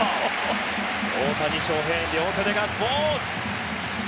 大谷翔平、両手でガッツポーズ！